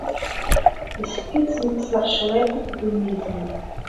Yessefk ad sneqseɣ cwiṭ deg lmizan.